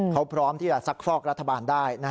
เขาพร้อมที่จะซักฟอกรัฐบาลได้